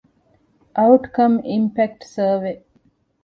އައުޓްކަމް އިމްޕެކްޓް ސަރވޭ